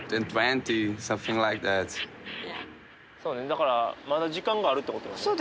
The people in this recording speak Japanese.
だからまだ時間があるってことね。